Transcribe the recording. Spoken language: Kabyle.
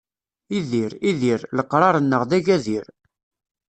Idir, idir, leqraṛ-nneɣ d agadir.